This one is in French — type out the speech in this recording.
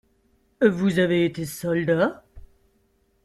Vous avez été soldat?